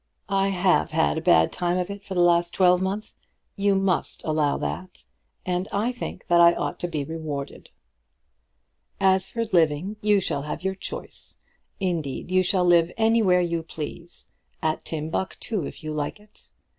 I have had a bad time of it for the last twelvemonth. You must allow that, and I think that I ought to be rewarded. As for living, you shall have your choice. Indeed you shall live anywhere you please; at Timbuctoo if you like it.